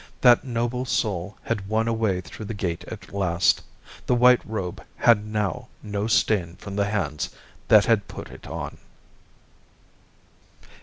That noble soul had won a way through the gate at last. The white robe had now no stain from the hands that had put it on.